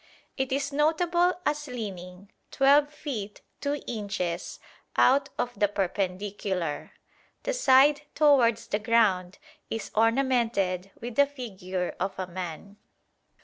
It is notable as leaning 12 feet 2 inches out of the perpendicular. The side towards the ground is ornamented with the figure of a man.